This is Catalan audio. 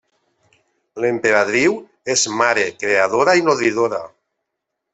L'Emperadriu és mare, creadora i nodridora.